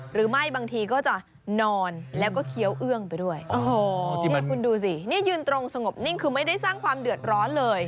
หรือไม่บางทีก็จะนอนแล้วก็เคี้ยวเอื้องไปด้วยโอ้โหนี่คุณดูสินี่ยืนตรงสงบนิ่งคือไม่ได้สร้างความเดือดร้อนเลย